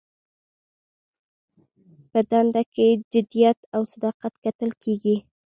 په دنده کې جدیت او صداقت کتل کیږي.